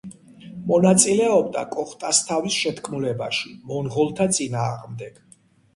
მონაწილეობდა კოხტასთავის შეთქმულებაში მონღოლთა წინააღმდეგ.